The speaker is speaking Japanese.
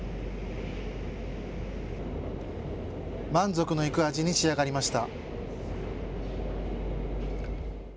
満足のいく味に仕上がりました。